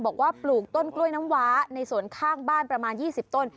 ปลูกต้นกล้วยน้ำว้าในสวนข้างบ้านประมาณ๒๐ต้น